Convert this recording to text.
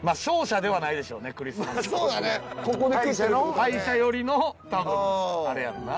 敗者寄りの多分あれやろな。